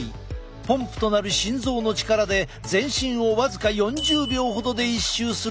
ポンプとなる心臓の力で全身を僅か４０秒ほどで１周するといわれている。